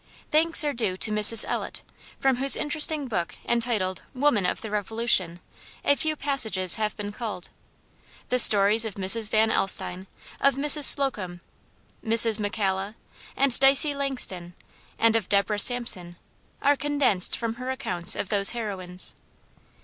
Thanks are due to Mrs. Ellet, from whose interesting book entitled "Women of the Revolution," a few passages have been culled. The stories of Mrs. Van Alstine, of Mrs. Slocum, Mrs. McCalla, and Dicey Langston, and of Deborah Samson, are condensed from her accounts of those heroines.